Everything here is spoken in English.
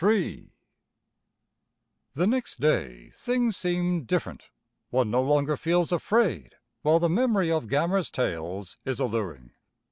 III The next day things seem different. One no longer feels afraid, while the memory of Gammer's tales is alluring.